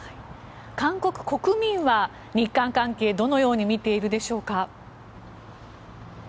韓国国民は日韓関係どのように見ているでしょうか。